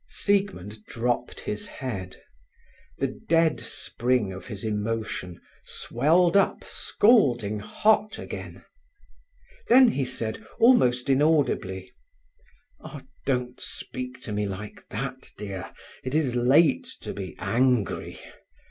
Siegmund dropped his head. The dead spring of his emotion swelled up scalding hot again. Then he said, almost inaudibly: "Ah, don't speak to me like that, dear. It is late to be angry.